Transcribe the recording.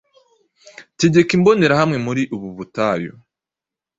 Tegeka Imbonerahamwe muri ubu butayu,